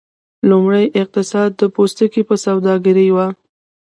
لومړنی اقتصاد د پوستکي په سوداګرۍ و.